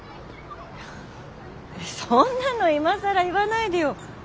そんなの今更言わないでよ。